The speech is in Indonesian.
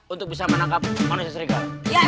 untuk bisa menangkap manusia serikat